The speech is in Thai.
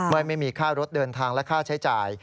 ไม่มีค่ารถเดินทางและค่าใช้จ่าย